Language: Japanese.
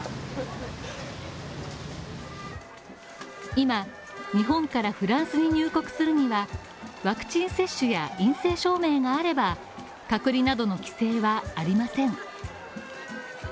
今、日本からフランスに入国するには、ワクチン接種や陰性証明があれば隔離などの規制はありません。